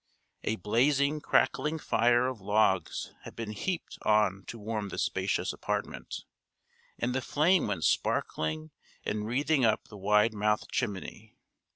A blazing crackling fire of logs had been heaped on to warm the spacious apartment, and the flame went sparkling and wreathing up the wide mouthed chimney.